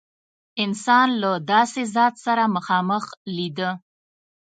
انسان له داسې ذات سره مخامخ لیده.